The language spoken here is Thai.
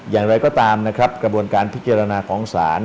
อย่างไรก็ตามนะครับกระบวนการพิจารณาของศาล